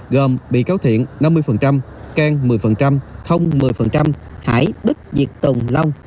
gồm bị cáo thiện năm mươi cang một mươi thông một mươi hải bích việt tùng long